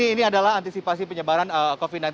ini adalah antisipasi penyebaran covid sembilan belas